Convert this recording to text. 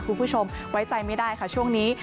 คุณผู้ชมไว้ใจไม่ได้ค่ะช่วงนี้